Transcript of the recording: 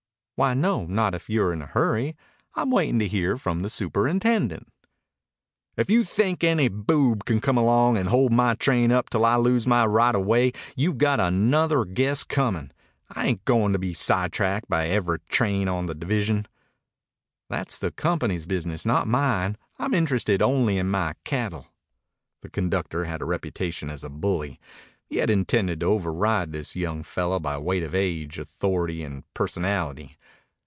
"Why, no, not if you're in a hurry. I'm waitin' to hear from the superintendent." "If you think any boob can come along and hold my train up till I lose my right of way you've got another guess comin'. I ain't goin' to be sidetracked by every train on the division." "That's the company's business, not mine. I'm interested only in my cattle." The conductor had a reputation as a bully. He had intended to override this young fellow by weight of age, authority, and personality.